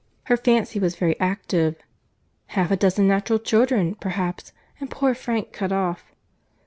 Her fancy was very active. Half a dozen natural children, perhaps—and poor Frank cut off!